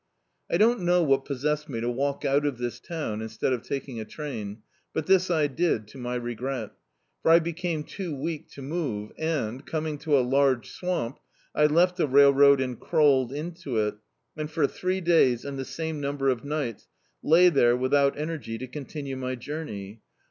I don't know what possessed me to walk out of this town, instead of taking a train, but this I did, to my regreL For I became too weak to move, and, coming to a large swamp, I left the railroad and crawled into it, and for three days and the same number of ni^ts, lay there without energy to con tinue my journey.